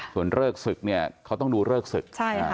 ส่วนเริกศึกเขาต้องดูเริกศึก